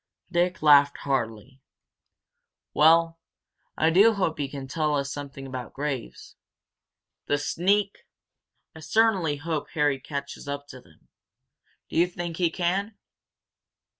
Dick laughed heartily. "Well, I do hope he can tell us something about Graves. The sneak! I certainly hope Harry catches up to him. Do you think he can?"